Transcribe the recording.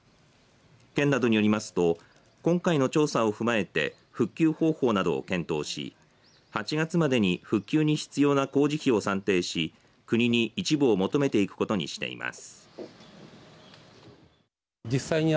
県などによりますと今回の調査を踏まえて復旧方法などを検討し８月までに復旧に必要な工事費を算定し国に一部を求めていくことにしています。